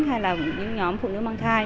hay là những nhóm phụ nữ mang thai